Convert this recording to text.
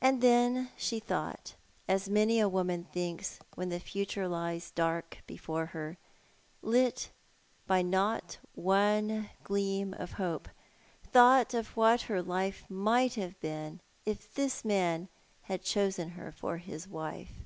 And then she thought, as many a woman thinks when the future lies dark before her — lit by not one gleam of hope — thought of what her life might have been if this man had chosen her for his wife.